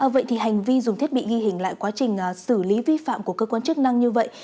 vậy thì hành vi dùng thiết bị ghi hình lại quá trình xử lý vi phạm của cơ quan chức năng như vậy